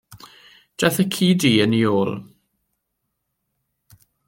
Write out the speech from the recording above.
Daeth y ci du yn ei ôl.